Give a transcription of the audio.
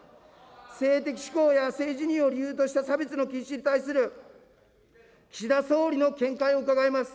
性的指向や性自認を差別の禁止に対する岸田総理の見解を伺います。